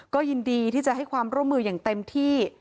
ก็ยินดีที่จะให้ความร่วมมืออย่างเต็มที่